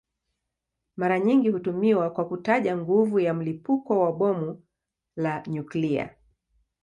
Mara nyingi hutumiwa kwa kutaja nguvu ya mlipuko wa bomu la nyuklia.